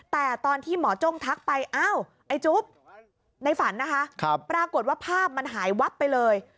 แต่ตอนที่หมอจ้งทักไปอ้าวไอ้จุ๊บในฝันนะคะปรากฏว่าภาพมันหายวับไปเลย